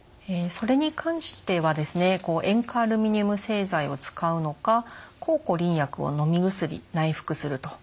それに関しては塩化アルミニウム製剤を使うのか抗コリン薬飲み薬内服すると。